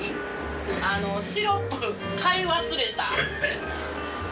シロップ買い忘れた。